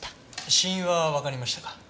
死因はわかりましたか？